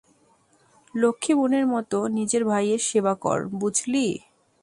লক্ষ্মী বোনের মত নিজের ভাইয়ের সেবা কর, বুঝলি?